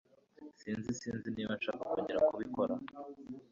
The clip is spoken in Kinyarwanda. S Sinzi Sinzi niba nshaka kongera kubikora